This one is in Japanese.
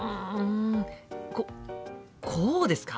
ここうですか？